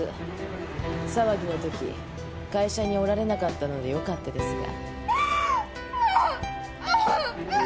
騒ぎのとき会社におられなかったのでよかったですが。